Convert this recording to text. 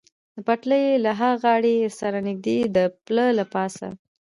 د پټلۍ له ها غاړې سره نږدې د پله له پاسه.